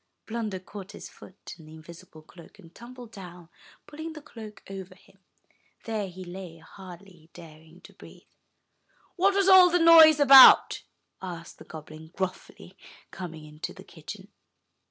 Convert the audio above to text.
Blunder caught his foot in the invisible cloak, and tumbled down, pulling the cloak over him. There he lay, hardly daring to breathe. *'What was all that noise about?" asked the goblin gruffly, coming into the kitchen.